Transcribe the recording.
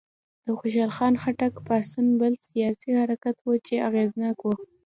د خوشحال خان خټک پاڅون بل سیاسي حرکت و چې اغېزناک و.